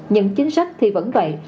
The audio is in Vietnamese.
nhưng chính sách thì vẫn vậy